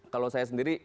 kalau saya sendiri